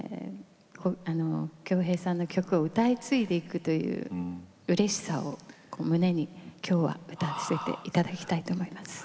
京平さんの曲を歌い継いでいくといううれしさを胸に今日は歌わせて頂きたいと思います。